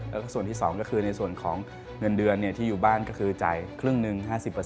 แล้วก็ส่วนที่๒ก็คือในส่วนของเงินเดือนที่อยู่บ้านก็คือจ่ายครึ่งหนึ่ง๕๐